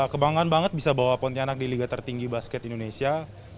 kebanggaan banget bisa bawa pontianak di liga tertinggi basket indonesia